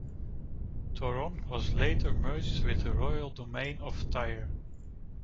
Toron was later merged with the royal domain of Tyre.